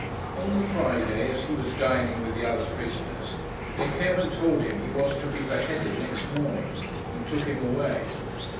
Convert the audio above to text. On the Friday, as he was dining with the other prisoners, they came and told him he was to be beheaded next morning, and took him away.